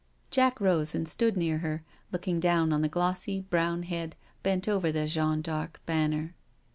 Jack rose and stood near her, looking down on the glossy brown head bent over the Jeanne d'Arc banner.